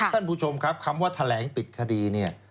ท่านผู้ชมครับคำว่าแถลงปิดคดีเนี่ย